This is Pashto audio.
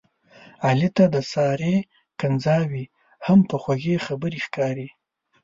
علي ته د سارې کنځاوې هم په خوږې خبرې ښکاري.